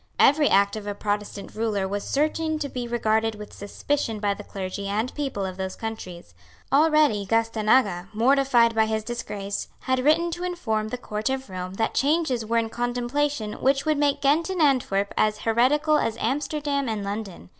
Every act of a Protestant ruler was certain to be regarded with suspicion by the clergy and people of those countries. Already Gastanaga, mortified by his disgrace, had written to inform the Court of Rome that changes were in contemplation which would make Ghent and Antwerp as heretical as Amsterdam and London.